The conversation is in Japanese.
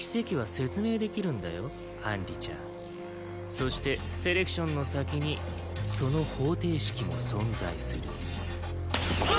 そしてセレクションの先にその方程式も存在する。